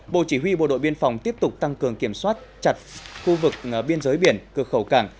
bộ chỉ huy bộ đội biên phòng tiếp tục tăng cường kiểm soát chặt khu vực biên giới biển cơ khẩu cảng